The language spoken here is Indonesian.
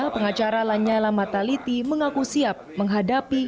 pengacara lanyala mataliti mengaku siap menghadapi